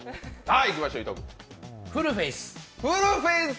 フルフェイス。